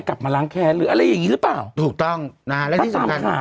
ใช่เหมือนก็เป็นดินมหารเข้าปาก